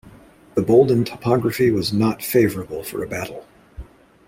The Boldon topography was not favorable for a battle.